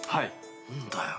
何だよ。